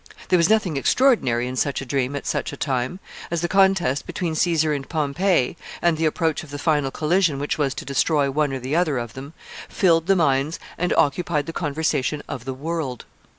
There was nothing extraordinary in such a dream at such a time, as the contest between Caesar and Pompey, and the approach of the final collision which was to destroy one or the other of them, filled the minds and occupied the conversation of the world.